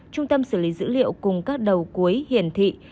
trung tâm xử lý dữ liệu cùng các đầu cuối hiển thị